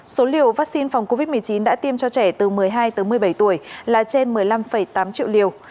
số liều vaccine phòng covid một mươi chín đã tiêm cho trẻ từ một mươi hai tới một mươi bảy tuổi là trên một mươi năm tám triệu liều